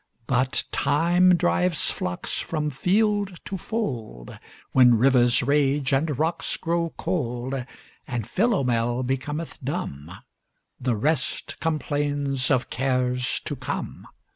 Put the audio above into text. But Time drives flocks from field to fold; When rivers rage and rocks grow cold; And Philomel becometh dumb; The rest complains of cares to come.